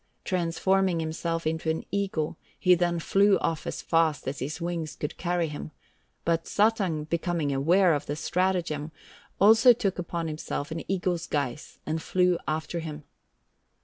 Transforming himself into an eagle, he then flew off as fast as his wings could carry him, but Suttung becoming aware of the stratagem, also took upon himself an eagle's guise, and flew after him.